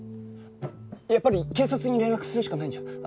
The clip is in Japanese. やっぱり警察に連絡するしかないんじゃ？